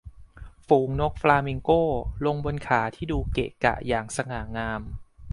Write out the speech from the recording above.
ฝูงนกฟลามิงโกลงบนขาที่ดูเกะกะอย่างสง่างาม